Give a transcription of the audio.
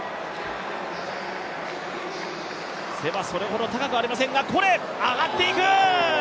背はそれほど高くありませんが上がっていく！